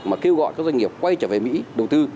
mà kêu gọi các doanh nghiệp quay trở về mỹ đầu tư